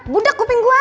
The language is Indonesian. budak kuping gua